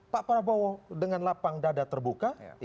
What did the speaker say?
pak prabowo dengan lapang dada terbuka